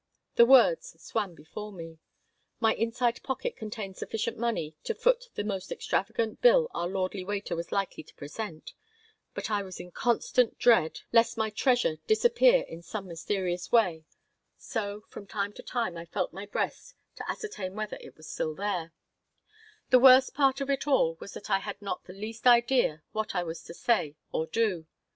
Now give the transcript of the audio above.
The words swam before me. My inside pocket contained sufficient money to foot the most extravagant bill our lordly waiter was likely to present, but I was in constant dread lest my treasure disappear in some mysterious way; so, from time to time, I felt my breast to ascertain whether it was still there The worst part of it all was that I had not the least idea what I was to say or do.